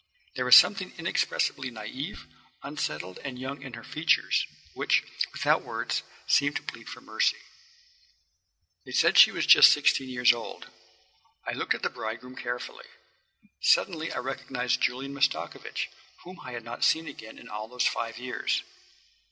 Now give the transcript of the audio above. There was something inexpressibly naïve, unsettled and young in her features, which, without words, seemed to plead for mercy. They said she was just sixteen years old. I looked at the bridegroom carefully. Suddenly I recognised Julian Mastakovich, whom I had not seen again in all those five years.